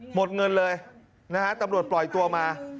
หมดเงินเลยนะฮะตำรวจปล่อยตัวมา